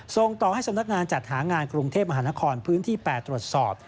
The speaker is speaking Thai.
ส่งต่อให้สำนักงานจัดหางานกรุงเทพมหานครพื้นที่๘ตรวจสอบ